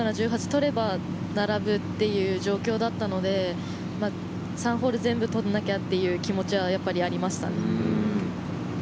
取れば並ぶっていう状況だったので３ホール全部取らなきゃっていう気持ちはやっぱりありました。